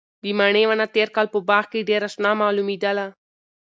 د مڼې ونه تېر کال په باغ کې ډېره شنه معلومېدله.